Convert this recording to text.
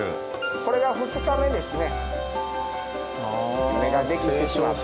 これが２日目ですね。